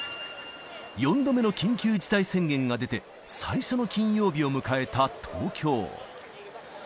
４度目の緊急事態宣言が出て、最初の金曜日を迎えた東京。